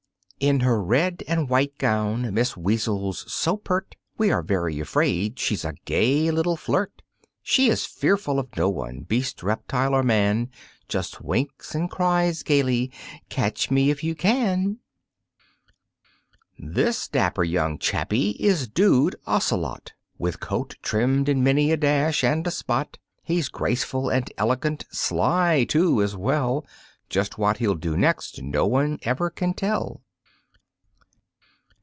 In her red and white gown Miss Weasel's so pert We are very afraid she's a gay little flirt; She is fearful of no one beast, reptile or man, Just winks and cries gaily: "Catch me, if you can." This dapper young chappy is Dude Ocelot, With coat trimmed in many a dash and a spot; He's graceful and elegant, sly, too, as well, Just what he'll do next no one ever can tell.